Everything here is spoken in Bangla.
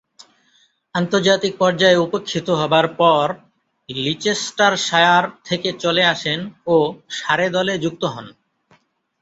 আন্তর্জাতিক পর্যায়ে উপেক্ষিত হবার পর লিচেস্টারশায়ার থেকে চলে আসেন ও সারে দলে যুক্ত হন।